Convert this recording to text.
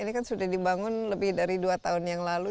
ini kan sudah dibangun lebih dari dua tahun yang lalu